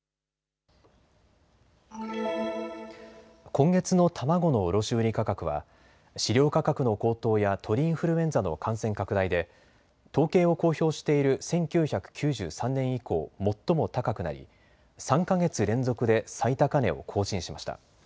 今月の卵の卸売価格は飼料価格の高騰や鳥インフルエンザの感染拡大で統計を公表している１９９３年以降最も高くなり３か月連続で最高値を更新しました。